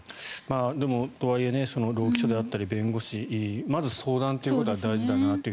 とはいえ労基署であったり弁護士にまず相談ということが大事だなと。